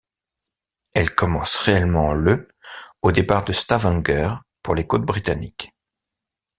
Elle commence réellement le au départ de Stavanger pour les côtes britanniques.